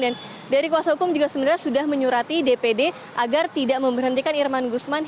dan dari kuasa hukum juga sudah menyurati dpd agar tidak memberhentikan irman gusman